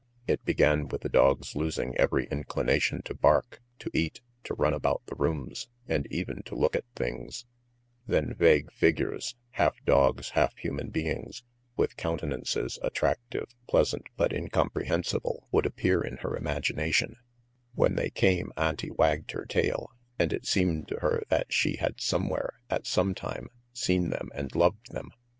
It began with the dog's losing every inclination to bark, to eat, to run about the rooms, and even to look at things; then vague figures, half dogs, half human beings, with countenances attractive, pleasant, but incomprehensible, would appear in her imagination; when they came Auntie wagged her tail, and it seemed to her that she had somewhere, at some time, seen them and loved them.